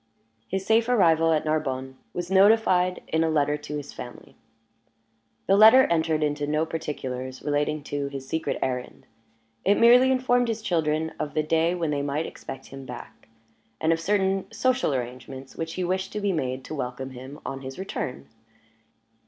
His safe arrival at Narbonne was notified in a letter to his family. The letter entered into no particulars relating to his secret errand: it merely informed his children of the day when they might expect him back, and of certain social arrangements which he wished to be made to welcome him on his return.